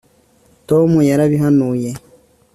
tom yarabihanuye